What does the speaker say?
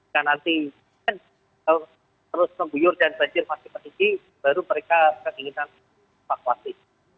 dan nanti kalau terus kebuyur dan banjir masih berdiri baru mereka akan ingin dievakuasi